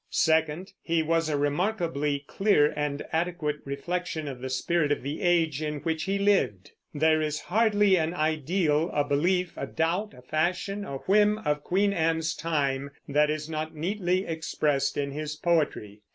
Second, he was a remarkably clear and adequate reflection of the spirit of the age in which he lived. There is hardly an ideal, a belief, a doubt, a fashion, a whim of Queen Anne's time, that is not neatly expressed in his poetry.